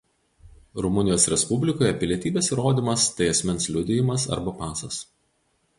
Rumunijos Respublikoje pilietybės įrodymas tai asmens liudijimas arba pasas.